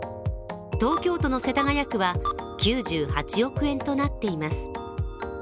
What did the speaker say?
東京都の世田谷区は９８億円となっています。